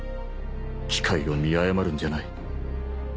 機会を見誤るんじゃない。